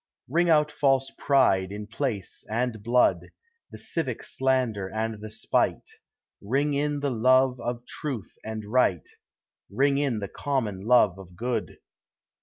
Ring out false pride in place and blood, The civic slander and the spite; Ring in the love of truth and right, Ring in the common love of good.